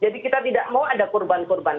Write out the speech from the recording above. jadi kita tidak mau ada perlindungan